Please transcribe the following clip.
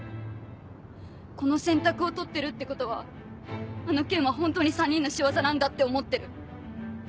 この選択を取ってるってことはあの件はホントに３人の仕業なんだって思ってる。